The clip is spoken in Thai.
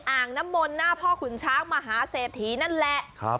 อ่างน้ำมนต์หน้าพ่อขุนช้างมหาเศรษฐีนั่นแหละ